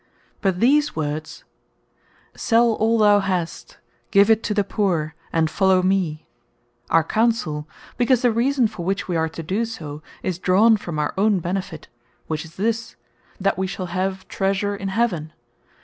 But these words, "Sell all thou hast; give it to the poore; and follow me," are Counsell; because the reason for which we are to do so, is drawn from our own benefit; which is this, that we shall have "Treasure in Heaven."